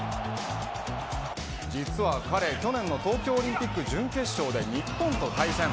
実は彼、去年の東京オリンピック準決勝で日本と対戦。